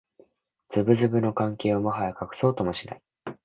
ズブズブの関係をもはや隠そうともしない